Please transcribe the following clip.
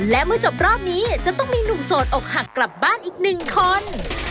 และเมื่อจบรอบนี้จะต้องมีหนุ่มโสดอกหักกลับบ้านอีกหนึ่งคน